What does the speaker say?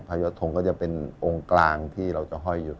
ยอดทงก็จะเป็นองค์กลางที่เราจะห้อยอยู่